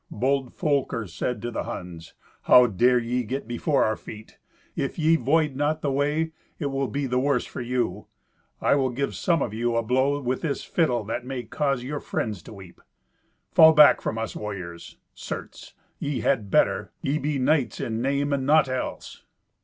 Bold Folker said to the Huns, "How dare ye get before our feet? If ye void not the way, it will be the worse for you. I will give some of you a blow with this fiddle that may cause your friends to weep. Fall back from us warriors. Certes, ye had better. Ye be knights in name and naught else."